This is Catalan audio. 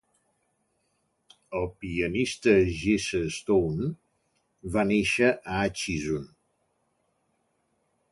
El pianista Jesse Stone va néixer a Atchison.